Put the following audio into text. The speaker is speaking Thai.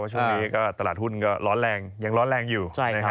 ว่าช่วงนี้ตลาดหุ้นก็ร้อนแรงยังร้อนแรงอยู่